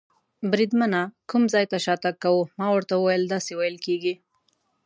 بریدمنه، کوم ځای ته شاتګ کوو؟ ما ورته وویل: داسې وېل کېږي.